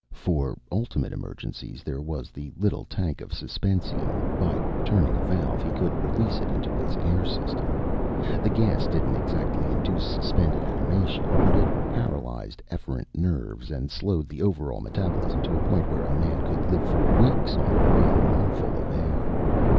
For ultimate emergencies there was the little tank of suspensine. By turning a valve, he could release it into his air system. The gas didn't exactly induce suspended animation, but it paralyzed efferent nerves and slowed the overall metabolism to a point where a man could live for weeks on one lungful of air.